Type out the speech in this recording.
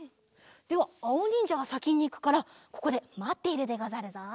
ではあおにんじゃがさきにいくからここでまっているでござるぞ。